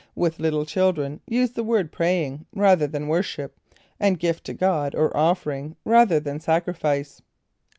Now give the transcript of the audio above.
With little children, use the word "praying," rather than "worship," and "gift to God" or "offering," rather than "sacrifice."